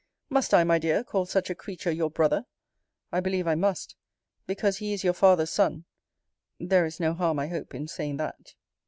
Must I, my dear, call such a creature your brother? I believe I must Because he is your father's son. There is no harm, I hope, in saying that.